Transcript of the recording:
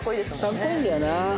かっこいいんだよな。